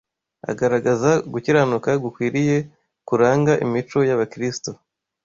Agaragaza gukiranuka gukwiriye kuranga imico y’Abakristo